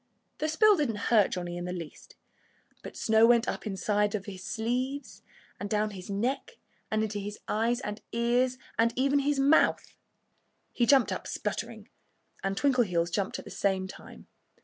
The spill didn't hurt Johnnie in the least. But snow went up the inside of his sleeves, and down his neck, and into his eyes and ears and even his mouth. He jumped up spluttering. And Twinkleheels jumped at the same time.